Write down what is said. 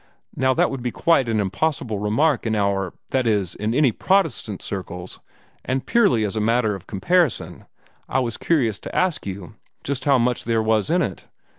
Now that would be quite an impossible remark in our that is, in any Protestant circles and purely as a matter of comparison, I was curious to ask you just how much there was in it.